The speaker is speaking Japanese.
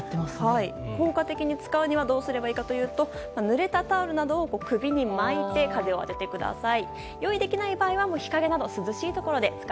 効果的に使うにはどうすればいいかというとぬれたタオルなどを首に巻いて風を当ててください。